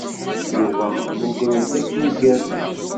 Yuba mmugren-t akken igerrez.